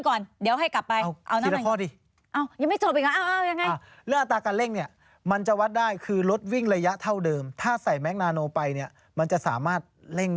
ผมอยากอธิบายเรื่องอัตราการเร่ง